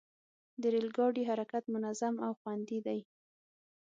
د ریل ګاډي حرکت منظم او خوندي دی.